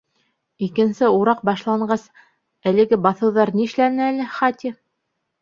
Икенсе ураҡ башланғас, әлеге баҫыуҙар нишләне әле, Хати?